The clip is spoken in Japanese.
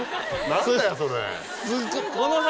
何だよそれ。